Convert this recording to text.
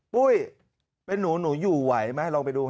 ปุ้ยเป็นหนูหนูอยู่ไหวไหมลองไปดู